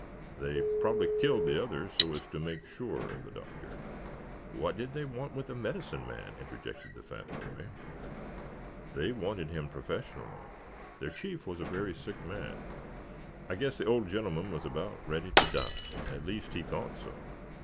They probably killed the others so as to make sure of the Doctor." "What did they want with a medicine man?" interjected the fat boy. "They wanted him professionally. Their chief was a very sick man. I guess the old gentleman was about ready to die. At least he thought so.